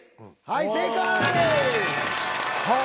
はい正解。